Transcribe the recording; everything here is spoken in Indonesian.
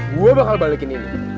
gue bakal balikin ini